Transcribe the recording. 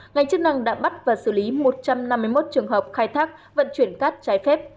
ngành chức năng đã bắt và xử lý một trăm năm mươi một trường hợp khai thác vận chuyển cát trái phép